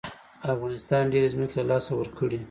افغانستان ډېرې ځمکې له لاسه ورکړې.